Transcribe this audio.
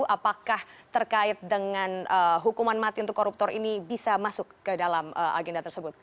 apakah terkait dengan hukuman mati untuk koruptor ini bisa masuk ke dalam agenda tersebut